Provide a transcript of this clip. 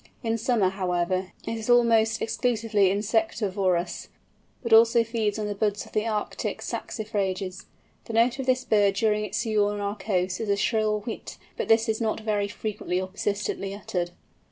In summer, however, it is almost exclusively insectivorous, but also feeds on the buds of the Arctic saxifrages. The note of this bird during its sojourn on our coasts is a shrill whit, but this is not very frequently or persistently uttered.